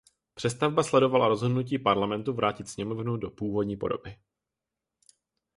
Přestavba sledovala rozhodnutí parlamentu vrátit sněmovnu do původní podoby.